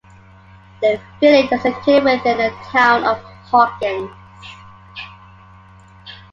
The village is located within the Town of Hawkins.